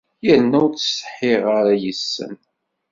Yerna ur ttsetḥiɣ ara yes-sen.